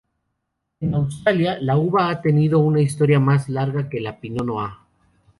En Australia, la uva ha tenido una historia más larga que la pinot noir.